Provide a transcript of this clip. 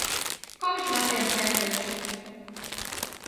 Komm ich mach dir ein Sandwich.